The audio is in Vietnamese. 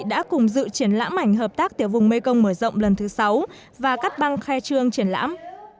đã cùng dự triển lãm ảnh hợp tác tiểu vùng mekong mở rộng lần thứ sáu và cắt băng khai trương triển lãm